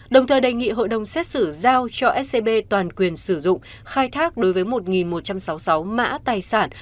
đồng thời đề nghị hội đồng xét xử giao cho scb toàn quyền sử dụng khai thác đối với một một trăm sáu mươi sáu mã tài sản